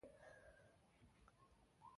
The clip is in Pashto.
مینه د خدای ورکړه ده.